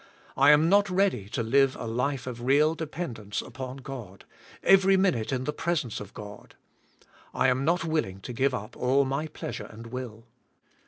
I am not ready to live a life of real dependence upon God, every minute in the presence of God. I am not willing to give up all my pleasure and will.